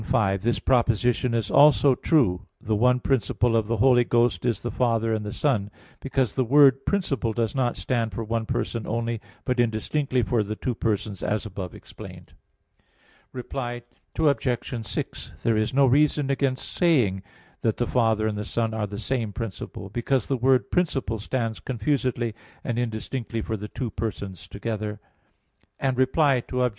5: This proposition is also true: The one principle of the Holy Ghost is the Father and the Son; because the word "principle" does not stand for one person only, but indistinctly for the two persons as above explained. Reply Obj. 6: There is no reason against saying that the Father and the Son are the same principle, because the word "principle" stands confusedly and indistinctly for the two Persons together. Reply Obj.